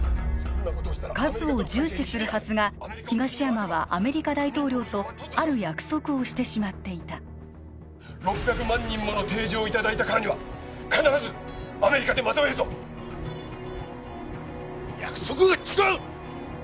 数を重視するはずが東山はアメリカ大統領とある約束をしてしまっていた６００万人もの提示をいただいたからには必ずアメリカでまとめると約束が違う！